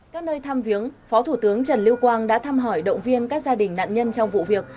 các nơi thăm viếng phó thủ tướng trần lưu quang đã thăm hỏi động viên các gia đình nạn nhân trong vụ việc